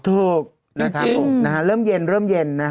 ถูกแหละครับเริ่มเย็นนะครับจริง